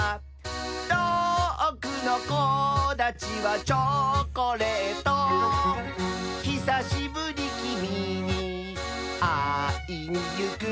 「とおくのこだちはチョコレート」「ひさしぶりきみにあいにゆく」